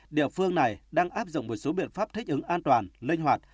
địa phương này đang áp dụng một số biện pháp thích ứng an toàn linh hoạt